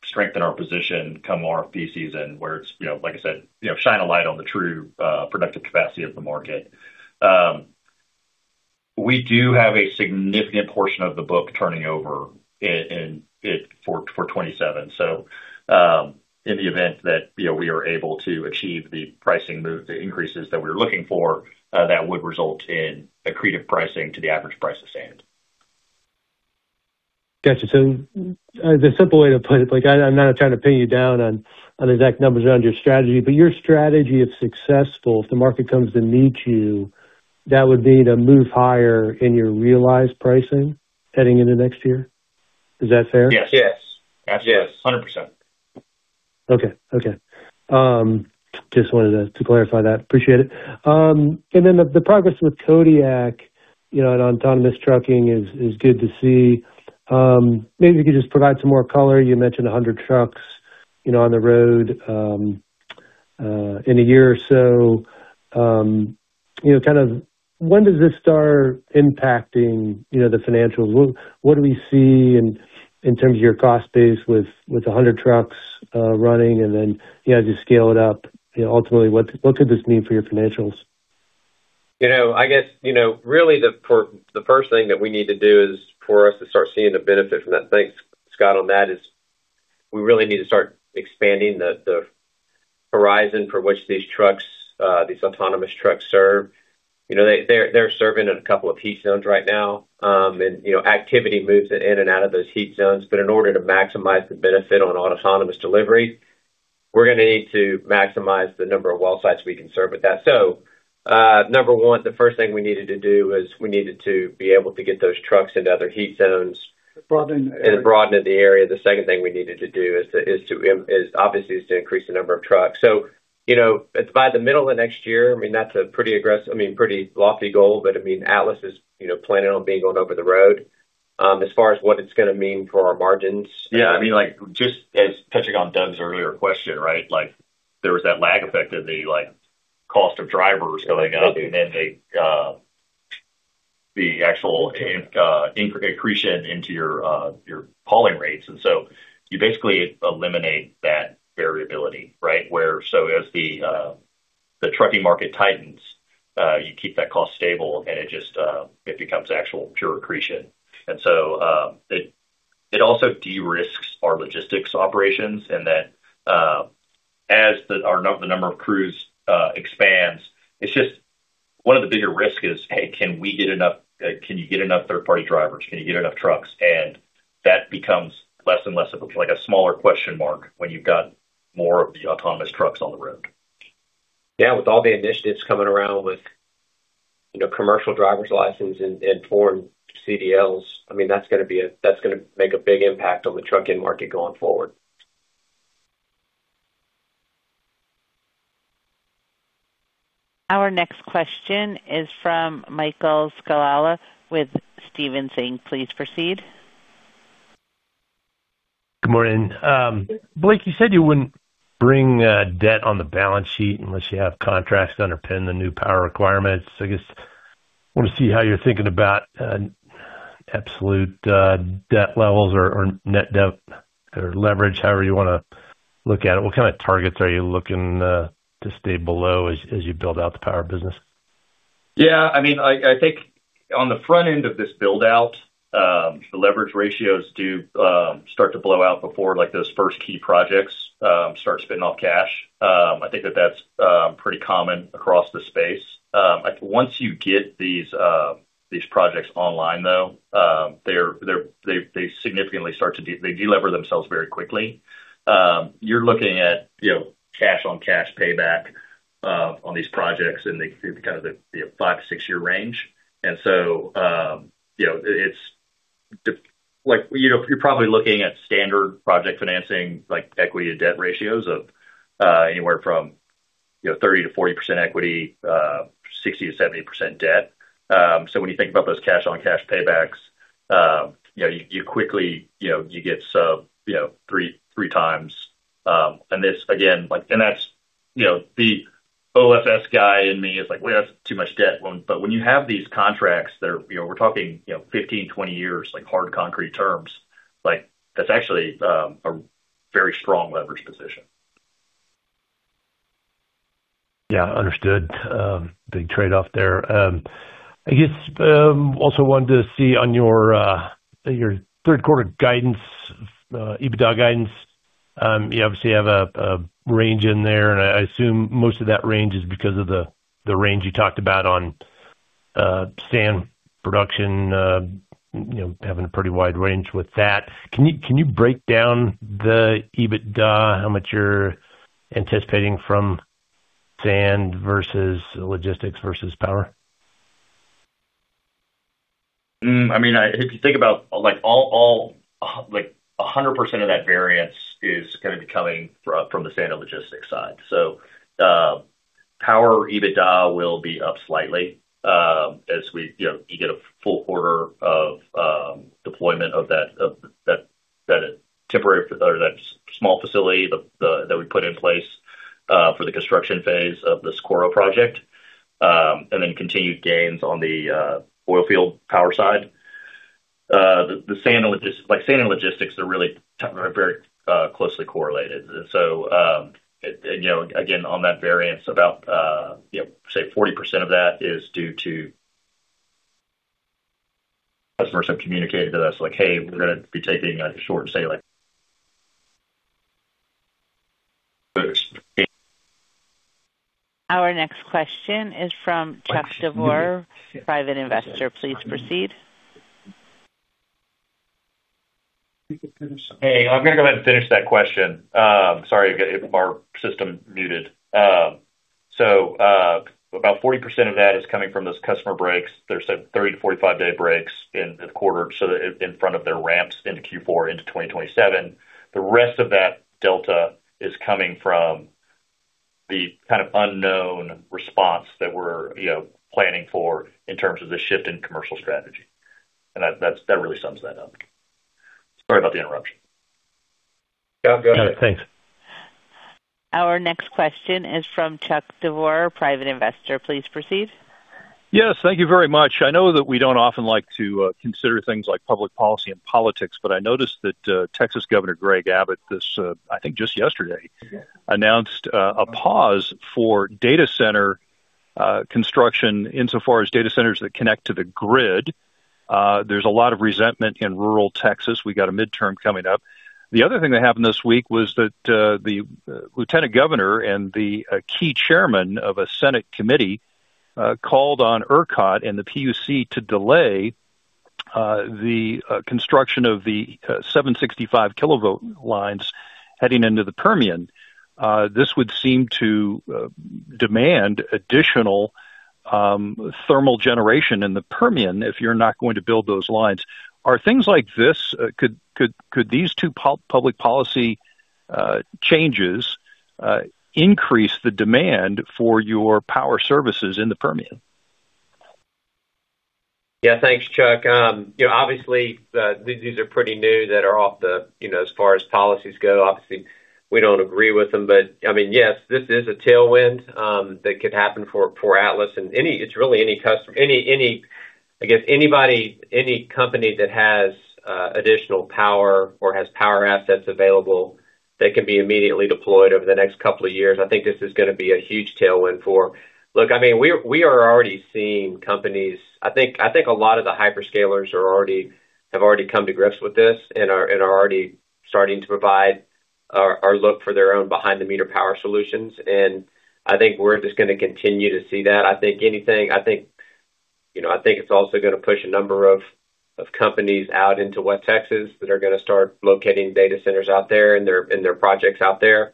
D: strengthen our position come RFP season where it's, like I said, shine a light on the true productive capacity of the market. We do have a significant portion of the book turning over for 2027. In the event that we are able to achieve the pricing move, the increases that we're looking for, that would result in accretive pricing to the average price of sand.
J: Got you. The simple way to put it, I'm not trying to pin you down on exact numbers around your strategy, but your strategy is successful if the market comes to meet you. That would be to move higher in your realized pricing heading into next year? Is that fair?
D: Yes. 100%.
J: Okay. Just wanted to clarify that. Appreciate it. The progress with Kodiak and autonomous trucking is good to see. Maybe you could just provide some more color. You mentioned 100 trucks on the road in a year or so. When does this start impacting the financials? What do we see in terms of your cost base with 100 trucks running, and then as you scale it up, ultimately, what could this mean for your financials?
C: I guess, really the first thing that we need to do is for us to start seeing the benefit from that. Thanks, Scott, on that is we really need to start expanding the horizon for which these autonomous trucks serve. They're serving in a couple of heat zones right now. Activity moves in and out of those heat zones. In order to maximize the benefit on autonomous delivery, we're going to need to maximize the number of well sites we can serve with that. Number one, the first thing we needed to do was we needed to be able to get those trucks into other heat zones.
J: Broaden.
C: Broaden the area. The second thing we needed to do is obviously is to increase the number of trucks. It's by the middle of next year. That's a pretty lofty goal, but Atlas is planning on being on over the road. As far as what it's going to mean for our margins.
D: Yeah. Just as touching on Doug's earlier question. There was that lag effect of the cost of drivers going up and then the actual accretion into your hauling rates. You basically eliminate that variability. As the trucking market tightens, you keep that cost stable, and it becomes actual pure accretion. It also de-risks our logistics operations in that as the number of crews expands, it's just one of the bigger risks is, hey, can you get enough third-party drivers? Can you get enough trucks? That becomes less and less of a smaller question mark when you've got more of the autonomous trucks on the road.
J: Yeah. With all the initiatives coming around with commercial driver's license and foreign CDLs, that's going to make a big impact on the trucking market going forward.
A: Our next question is from Michael Scialla with Stephens Inc. Please proceed.
K: Good morning. Blake, you said you wouldn't bring debt on the balance sheet unless you have contracts to underpin the new power requirements. I guess I want to see how you're thinking about absolute debt levels or net debt or leverage, however you want to look at it. What kind of targets are you looking to stay below as you build out the power business?
D: Yeah. I think on the front end of this build-out, the leverage ratios do start to blow out before those first key projects start spitting off cash. I think that that's pretty common across the space. Once you get these projects online, though, they significantly start to de-lever themselves very quickly. You're looking at cash on cash payback on these projects in the five to six year range. You're probably looking at standard project financing, like equity to debt ratios of anywhere from 30%-40% equity, 60%-70% debt. When you think about those cash on cash paybacks you quickly get three times. That's the OFS guy in me is like, "Well, that's too much debt." When you have these contracts that we're talking 15, 20 years, like hard concrete terms, that's actually a very strong leverage position.
K: Yeah. Understood. Big trade-off there. I guess, also wanted to see on your third quarter EBITDA guidance. You obviously have a range in there, I assume most of that range is because of the range you talked about on sand production, having a pretty wide range with that. Can you break down the EBITDA, how much you're anticipating from sand versus logistics versus power?
D: If you think about it, 100% of that variance is going to be coming from the sand and logistics side. Power EBITDA will be up slightly as we get a full quarter of deployment of that small facility that we put in place for the construction phase of the Socorro project, and then continued gains on the oil field power side. The sand and logistics are really very closely correlated. Again, on that variance about say 40% of that is due to customers have communicated to us like, "Hey, we're going to be taking a shorter sailing."
A: Our next question is from Chuck DeVore, private investor. Please proceed.
D: Hey, I'm going to go ahead and finish that question. Sorry, our system muted. About 40% of that is coming from those customer breaks. There's 30, 45-day breaks in the quarter, so in front of their ramps into Q4 into 2027. The rest of that delta is coming from the kind of unknown response that we're planning for in terms of the shift in commercial strategy. That really sums that up. Sorry about the interruption.
C: Yeah, go ahead.
D: No, thanks.
A: Our next question is from Chuck DeVore, Private Investor. Please proceed.
L: Yes, thank you very much. I know that we don't often like to consider things like public policy and politics, but I noticed that, Texas Governor Greg Abbott, I think just yesterday, announced a pause for data center construction insofar as data centers that connect to the grid. There's a lot of resentment in rural Texas. We got a midterm coming up. The other thing that happened this week was that the lieutenant governor and the key chairman of a senate committee, called on ERCOT and the PUCT to delay the construction of the 765 kV lines heading into the Permian. This would seem to demand additional thermal generation in the Permian if you're not going to build those lines. Are things like this, could these two public policy changes increase the demand for your power services in the Permian?
C: Yeah. Thanks, Chuck. Obviously, these are pretty new as far as policies go. Obviously, we don't agree with them. Yes, this is a tailwind that could happen for Atlas and it's really anybody, any company that has additional power or has power assets available that can be immediately deployed over the next two years. I think this is going to be a huge tailwind. We are already seeing companies, a lot of the hyperscalers have already come to grips with this and are already starting to provide or look for their own behind-the-meter power solutions. I think we're just going to continue to see that. I think it's also going to push a number of companies out into West Texas that are going to start locating data centers out there and their projects out there.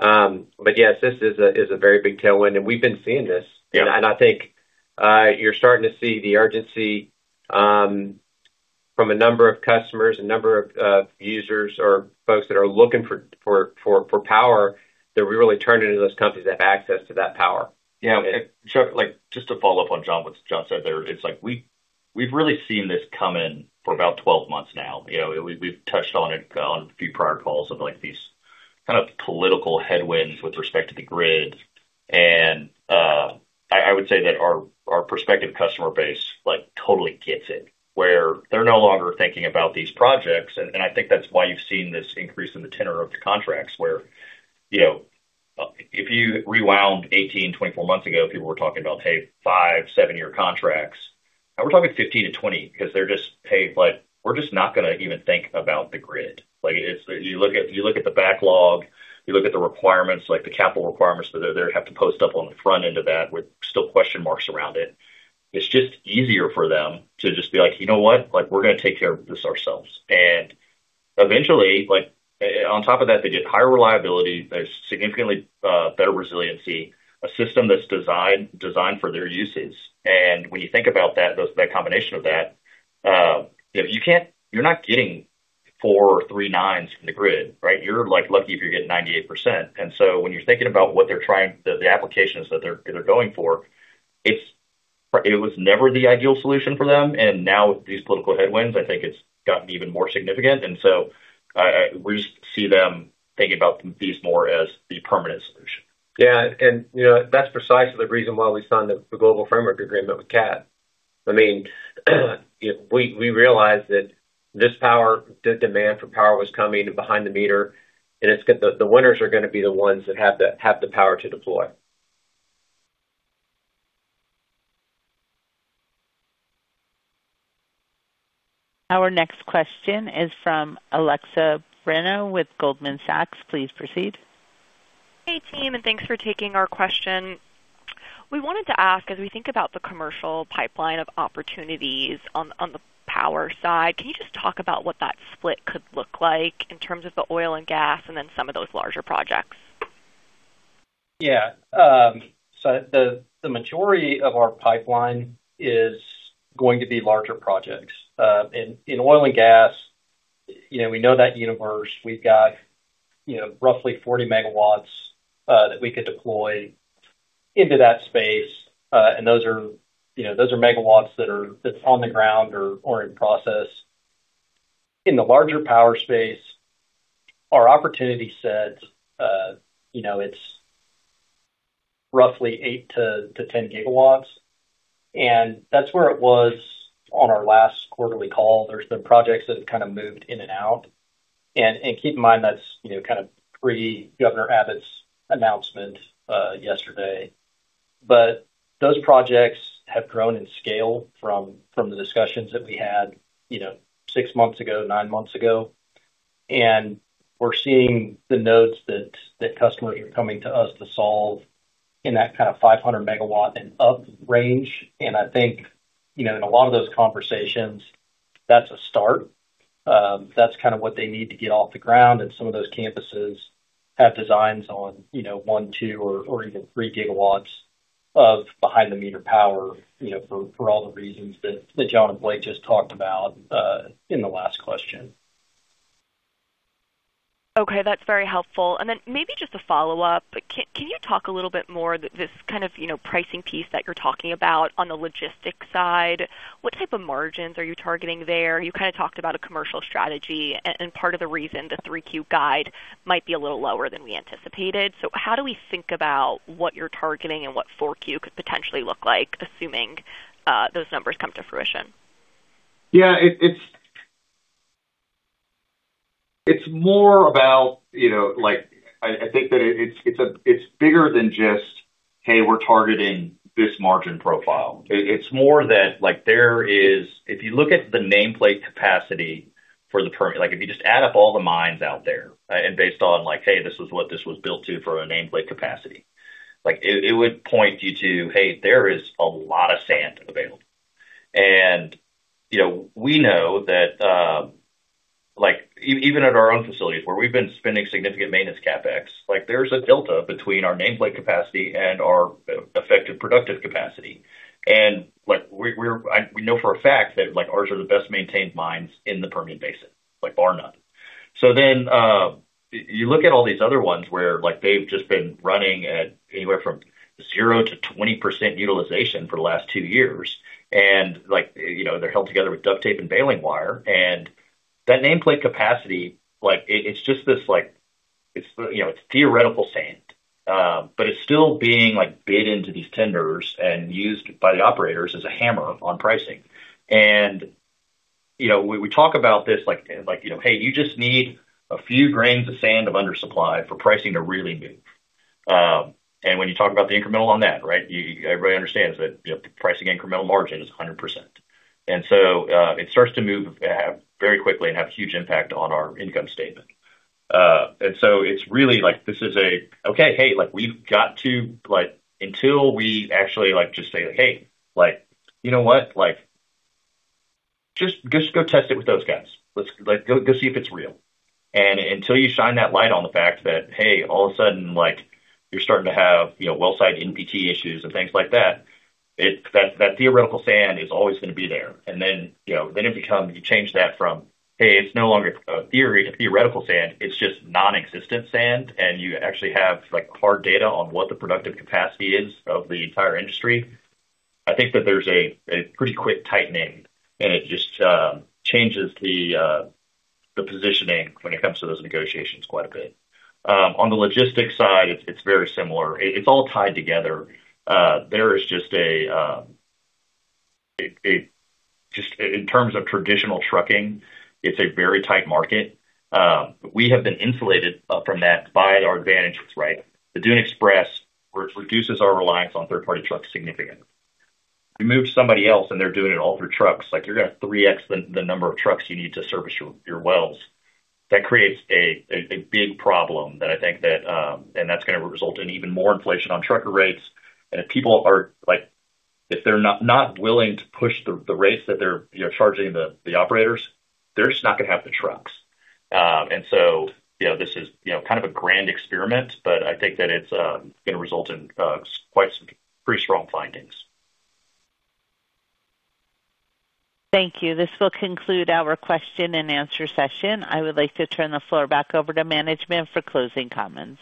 C: Yes, this is a very big tailwind, and we've been seeing this.
D: Yeah.
C: I think you're starting to see the urgency from a number of customers, a number of users or folks that are looking for power, that we really turn into those companies that have access to that power.
D: Yeah. Chuck, just to follow up on what John said there. It's like we've really seen this coming for about 12 months now. We've touched on it on a few prior calls of these kind of political headwinds with respect to the grid. I would say that our prospective customer base totally gets it, where they're no longer thinking about these projects. I think that's why you've seen this increase in the tenor of the contracts where, if you rewound 18, 24 months ago, people were talking about, hey, five, seven-year contracts. Now we're talking 15-20 because they're just, "Hey, Bud, we're just not going to even think about the grid." You look at the backlog, you look at the requirements, the capital requirements that they have to post up on the front end of that with still question marks around it. It's just easier for them to just be like, "You know what? We're going to take care of this ourselves." Eventually, on top of that, they get higher reliability. There's significantly better resiliency, a system that's designed for their usage. When you think about that, the combination of that, you're not getting four or three nines from the grid, right? You're lucky if you're getting 98%. When you're thinking about the applications that they're going for, it was never the ideal solution for them. Now with these political headwinds, I think it's gotten even more significant. We see them thinking about these more as the permanent solution.
C: Yeah. That's precisely the reason why we signed the Global Framework Agreement with CAT. We realized that this power, the demand for power was coming behind the meter, and the winners are going to be the ones that have the power to deploy.
A: Our next question is from Alexa Breno with Goldman Sachs. Please proceed.
M: Hey, team, thanks for taking our question. We wanted to ask, as we think about the commercial pipeline of opportunities on the power side, can you just talk about what that split could look like in terms of the oil and gas and then some of those larger projects?
H: Yeah. The majority of our pipeline is going to be larger projects. In oil and gas, we know that universe. We've got roughly 40 MW that we could deploy into that space. Those are MW that's on the ground or in process. In the larger power space, our opportunity set, it's roughly 8 GW -10 GW, that's where it was on our last quarterly call. There's been projects that have kind of moved in and out. Keep in mind, that's kind of pre Governor Abbott's announcement yesterday. Those projects have grown in scale from the discussions that we had six months ago, nine months ago. We're seeing the nodes that customers are coming to us to solve in that kind of 500 MW and up range. That's a start. That's kind of what they need to get off the ground, some of those campuses have designs on 1 GW, 2 GW, or even 3 GW of behind-the-meter power, for all the reasons that John and Blake just talked about in the last question.
M: Okay. That's very helpful. Maybe just a follow-up. Can you talk a little bit more, this kind of pricing piece that you're talking about on the logistics side? What type of margins are you targeting there? You kind of talked about a commercial strategy and part of the reason the three Q guide might be a little lower than we anticipated. How do we think about what you're targeting and what four Q could potentially look like, assuming those numbers come to fruition?
D: Yeah. It's more about, I think that it's bigger than just, "Hey, we're targeting this margin profile." It's more that there is If you look at the nameplate capacity for the if you just add up all the mines out there and based on, "Hey, this is what this was built to for a nameplate capacity." It would point you to, "Hey, there is a lot of sand available." We know that, even at our own facilities where we've been spending significant maintenance CapEx, there's a delta between our nameplate capacity and our effective productive capacity. We know for a fact that ours are the best maintained mines in the Permian Basin, bar none. You look at all these other ones where they've just been running at anywhere from 0% to 20% utilization for the last two years, and they're held together with duct tape and bailing wire. That nameplate capacity, it's theoretical sand. It's still being bid into these tenders and used by the operators as a hammer on pricing. We talk about this like, "Hey, you just need a few grains of sand of undersupply for pricing to really move." When you talk about the incremental on that, everybody understands that the pricing incremental margin is 100%. It starts to move very quickly and have huge impact on our income statement. It's really like, this is a, "Okay, hey, we've got to" Until we actually just say, "Hey, you know what? Just go test it with those guys. Let's go see if it's real." Until you shine that light on the fact that, hey, all of a sudden you're starting to have well site NPT issues and things like that theoretical sand is always gonna be there. Then it becomes, you change that from, hey, it's no longer a theory, a theoretical sand, it's just non-existent sand, and you actually have hard data on what the productive capacity is of the entire industry. I think that there's a pretty quick tightening, and it just changes the positioning when it comes to those negotiations quite a bit. On the logistics side, it's very similar. It's all tied together. In terms of traditional trucking, it's a very tight market. We have been insulated from that by our advantages. The Dune Express, which reduces our reliance on third-party trucks significantly. You move somebody else, and they're doing it all through trucks. You're gonna 3x the number of trucks you need to service your wells. That creates a big problem that I think that's gonna result in even more inflation on trucker rates. If people are not willing to push the rates that they're charging the operators, they're just not gonna have the trucks. So this is kind of a grand experiment, but I think that it's gonna result in quite some pretty strong findings.
A: Thank you. This will conclude our question and answer session. I would like to turn the floor back over to management for closing comments.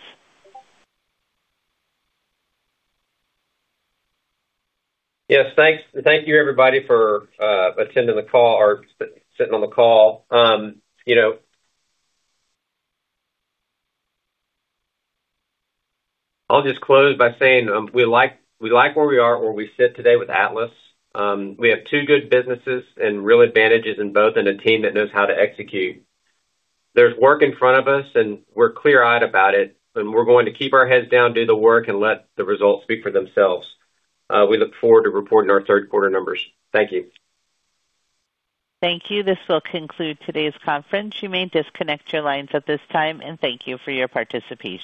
C: Yes. Thank you, everybody, for attending the call or sitting on the call. I'll just close by saying, we like where we are, where we sit today with Atlas. We have two good businesses and real advantages in both, and a team that knows how to execute. There's work in front of us, and we're clear-eyed about it, and we're going to keep our heads down, do the work, and let the results speak for themselves. We look forward to reporting our third quarter numbers. Thank you.
A: Thank you. This will conclude today's conference. You may disconnect your lines at this time, and thank you for your participation.